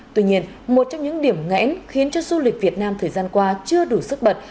tuy nhiên một trong những điểm ngẽn khiến cho du lịch việt nam thời gian qua chưa đủ sức bật